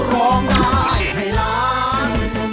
ร้องได้ให้ล้าน